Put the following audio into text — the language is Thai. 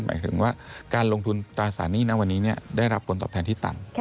หมายถึงว่าการลงทุนตราสารหนี้ณวันนี้ได้รับผลตอบแทนที่ต่ำ